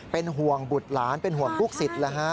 เป็นห่วงบุตรหลานเป็นห่วงลูกศิษย์